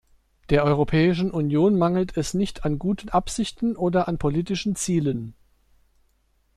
Der Europäischen Union mangelt es nicht an guten Absichten oder an politischen Zielen.